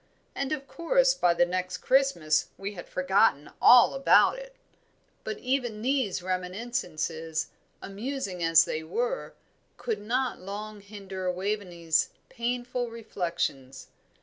And of course by the next Christmas we had forgotten all about it." But even these reminiscences, amusing as they were, could not long hinder Waveney's painful reflections.